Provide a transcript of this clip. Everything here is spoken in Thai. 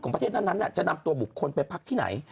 ประเทศนั้นจะนำตัวบุคคลไปพักที่ไหน